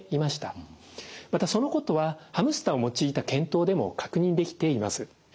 またそのことはハムスターを用いた検討でも確認できています。